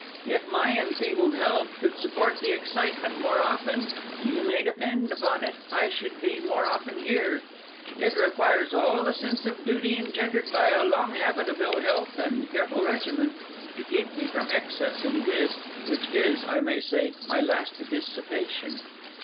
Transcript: If my enfeebled health could support the excitement more often, you may depend upon it I should be more often here. It requires all the sense of duty engendered by a long habit of ill health and careful regimen, to keep me from excess in this, which is, I may say, my last dissipation.